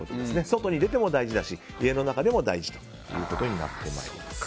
外に出ても大事だし、家の中でも大事ということになってます。